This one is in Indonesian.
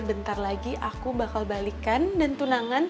bentar lagi aku bakal balikan dan tunangan